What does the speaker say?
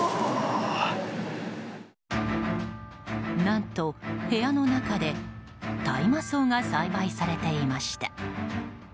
何と部屋の中で大麻草が栽培されていました。